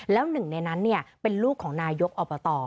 แล้วหนึ่งในนั้นเป็นลูกของนายกอบต